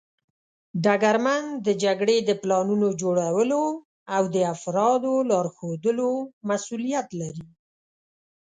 ډګرمن د جګړې د پلانونو جوړولو او د افرادو لارښودلو مسوولیت لري.